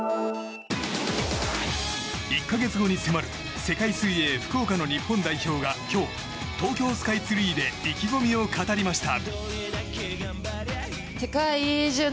１か月後に迫る世界水泳福岡の日本代表が今日、東京スカイツリーで意気込みを語りました。